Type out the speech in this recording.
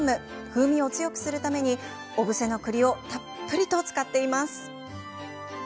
風味を強くするために小布施の栗を、たっぷりと使っています。